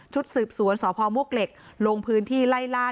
สืบสวนสพมวกเหล็กลงพื้นที่ไล่ล่า